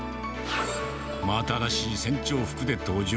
真新しい船長服で登場。